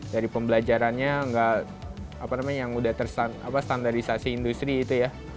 dari pembelajarannya yang udah standarisasi industri itu ya